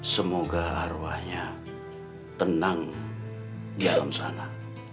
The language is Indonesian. semoga arwahnya tenang di alam sana